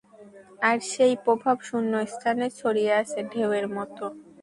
আর সেই প্রভাব শূন্যস্থানে ছড়িয়ে আছে ঢেউয়ের মতো।